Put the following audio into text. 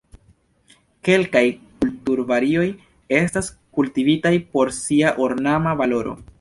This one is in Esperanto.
Kelkaj kulturvarioj estas kultivitaj por sia ornama valoro.